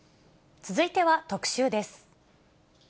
続いては特集です。